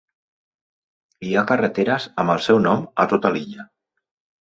Hi ha carreteres amb el seu nom a tota l'illa.